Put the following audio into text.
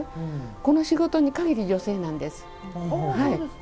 この仕事に限り女性なんです。